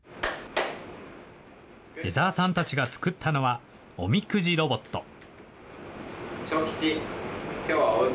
江澤さんたちが作ったのはおみくじロボット。